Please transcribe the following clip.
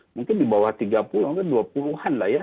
mungkin di bawah tiga puluh mungkin dua puluh an lah ya